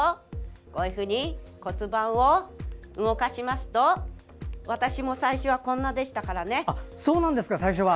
こういうふうに骨盤を動かしますと私も最初はこんなでしたからね。